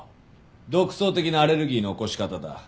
独創的なアレルギーの起こし方だ。